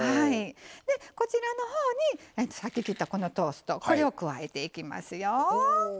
こちらのほうにさっき切ったトーストを加えていきますよ。